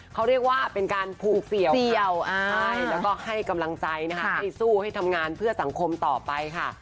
เขาเรียกว่าเป็นการผูกเสี่ยวแล้วก็ให้กำลังใจนะคะให้สู้ให้ทำงานเพื่อสังคมต่อไปค่ะ